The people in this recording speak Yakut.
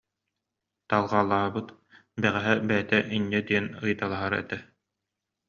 Талҕалаабыт бэҕэһээ бэйэтэ инньэ диэн ыйыталаһар этэ